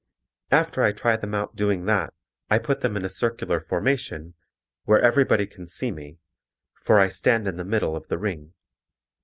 After I try them out doing that, I put them in a circular formation, where everybody can see me, for I stand in the middle of the ring.